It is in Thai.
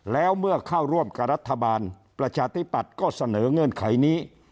แล้วเมื่อเข้าร่วมกับรัฐบาลประชาธิปัตย์ก็เสนอเงื่อนไขนี้